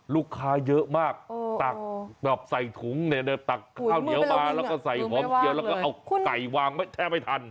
ลูกค้าเยอะมากตักแบบใส่ถุงเนี่ยตักข้าวเหนียวมาแล้วก็ใส่หอมเจียวแล้วก็เอาไก่วางแทบไม่ทัน